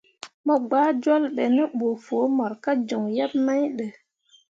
Mo gɓah jol be ne ɓə foo mor ka joŋ yebmain ɗə.